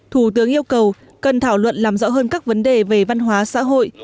thủ tướng yêu cầu cần thảo luận làm rõ hơn các vấn đề về văn hóa xã hội